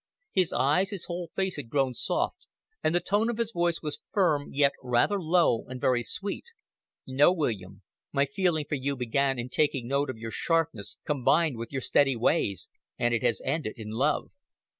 His eyes, his whole face had grown soft, and the tone of his voice was firm, yet rather low and very sweet. "No, William, my feeling for you began in taking note of your sharpness combined with your steady ways, and it has ended in love."